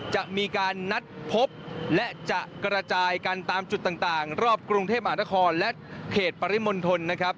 จะมีการนัดพบและจะกระจายกันตามจุดต่างรอบกรุงเทพมหานครและเขตปริมณฑลนะครับ